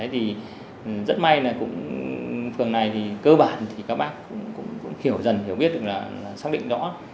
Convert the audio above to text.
thì rất may là cũng phường này thì cơ bản thì các bác cũng hiểu dần hiểu biết được là xác định rõ